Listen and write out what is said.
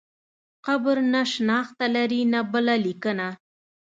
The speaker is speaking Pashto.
قبر نه شنخته لري نه بله لیکنه.